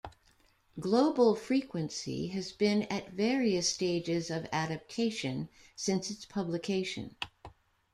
"Global Frequency" has been at various stages of adaptation since its publication.